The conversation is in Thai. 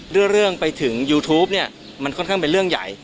เรื่องไปถึงยูทูปเนี่ยมันค่อนข้างเป็นเรื่องใหญ่